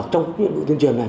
trong nhiệm vụ tuyên truyền này